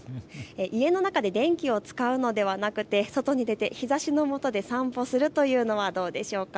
家の中で電気を使うのではなく外に出て日ざしのもとで散歩するというのはどうでしょうか。